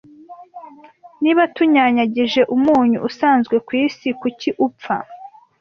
Niba tunyanyagije umunyu usanzwe ku isi, kuki upfa